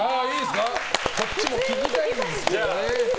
こっちも聴きたいんですけどね。